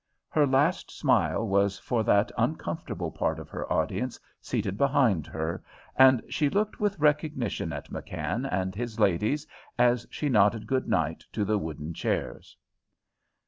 Her last smile was for that uncomfortable part of her audience seated behind her, and she looked with recognition at McKann and his ladies as she nodded good night to the wooden chairs.